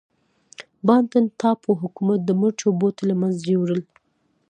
بانتن ټاپو حکومت د مرچو بوټي له منځه یووړل.